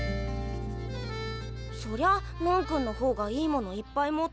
そりゃのん君の方がいいものいっぱい持ってるけど。